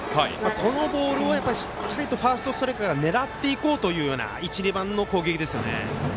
このボールをやっぱりしっかりとファーストストライクから狙っていこうというような１、２番の攻撃ですよね。